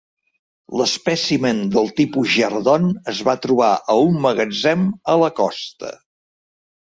L'espècimen del tipus jerdon es va trobar a un magatzem a la costa.